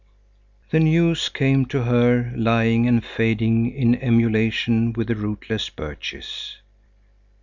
The news came to her lying and fading in emulation with the rootless birches.